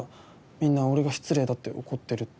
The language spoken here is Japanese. みんな俺が失礼だって怒ってるって。